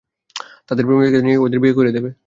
তাদের প্রেমিকাদের নিয়ে আসলে, ওদের বিয়ে করিয়ে দেবে?